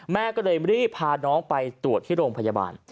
แม่ก็เลยรีบพาน้องไปตรวจที่โรงพยาบาล